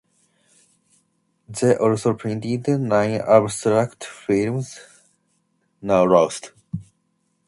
They also painted nine abstract films, now lost.